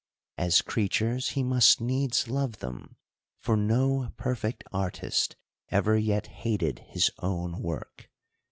As creatures, he must needs love them ; for no perfect artist ever yet hated his own work.